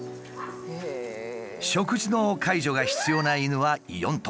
食事の介助が必要な犬は４頭。